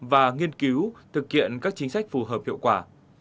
và nghiên cứu thực hiện các chính sách phù hợp hiệu quả